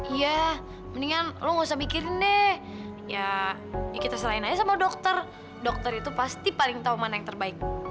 iya mendingan lo gak usah mikirin deh ya kita selain aja sama dokter dokter itu pasti paling tahu mana yang terbaik